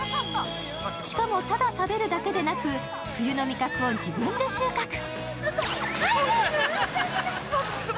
しかも、ただ食べるだけではなく冬の味覚を自分で収穫。